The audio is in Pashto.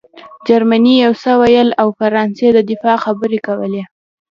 جرمني یو څه ویل او فرانسې د دفاع خبرې کولې